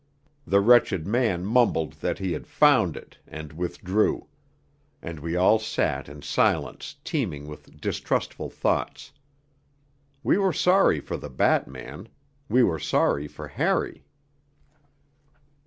The wretched man mumbled that he had 'found' it, and withdrew; and we all sat in silence teeming with distrustful thoughts. We were sorry for the batman; we were sorry for Harry.